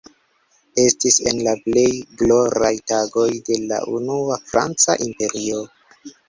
Estis en la plej gloraj tagoj de la unua franca imperio.